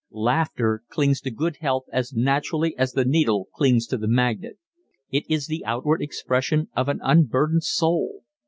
_ Laughter clings to good health as naturally as the needle clings to the magnet. It is the outward expression of an unburdened soul.